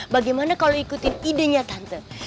bagaimana kalau ikutin idenya tante